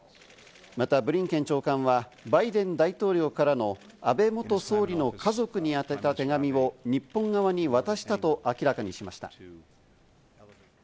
またブリンケン長官は、バイデン大統領からの安倍元総理の家族に宛た手紙を日本側に渡したと明らかにしました。